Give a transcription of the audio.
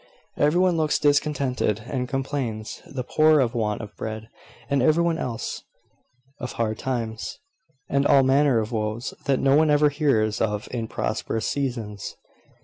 Every one looks discontented, and complains the poor of want of bread, and every one else of hard times, and all manner of woes, that one never hears of in prosperous seasons.